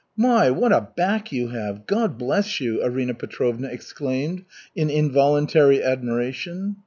"My, what a back you have! God bless you!" Arina Petrovna exclaimed, in involuntary admiration.